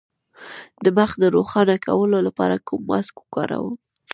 د مخ د روښانه کولو لپاره کوم ماسک وکاروم؟